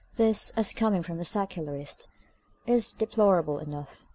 This, as coming from a Secularist, is deplorable enough.